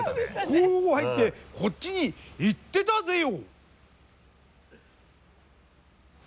こう入ってこっちに行ってたぜよ